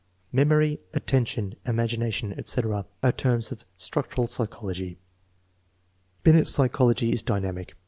Memory, attention, imagination, etc., are terms of " structural psychology." Binet's psychology is dynamic.